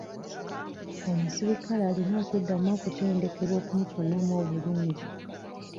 Omuserikale alina okuddamu okutendekebwa okumufunamu obulungi.